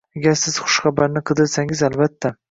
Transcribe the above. Agar siz xushxabarni qidirsangiz, albatta